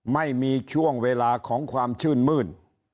ไม่มีช่วงเวลาของความชื่นมื้น